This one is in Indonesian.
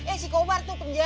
eh si kobar tuh